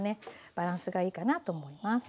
バランスがいいかなと思います。